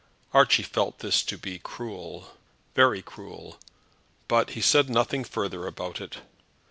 Archie felt this to be cruel, very cruel, but he said nothing further about it.